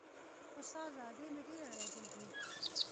استاده ادې مې ډېره رايادېږي.